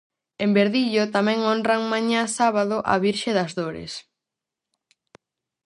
En Verdillo tamén honran mañá sábado á virxe das Dores.